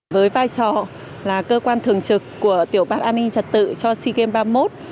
với vai trò là cơ quan thường trực của tiểu ban an ninh trật tự cho sea games ba mươi một